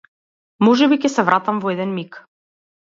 Можеби ќе се вратам во еден миг.